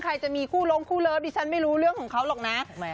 ใครจะมีคู่ลงคู่เลิฟดิฉันไม่รู้เรื่องของเขาหรอกนะ